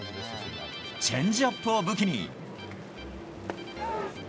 チェンジアップを武器に。